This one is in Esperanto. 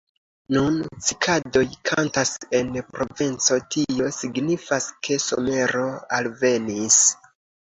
Nun cikadoj kantas en Provenco; tio signifas, ke somero alvenis.